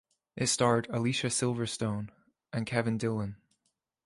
It starred Alicia Silverstone and Kevin Dillon.